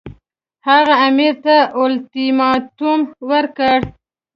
هغه امیر ته اولټیماټوم ورکړ.